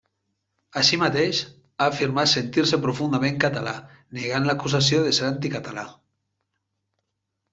Així mateix, ha afirmat sentir-se profundament català, negant l'acusació de ser anticatalà.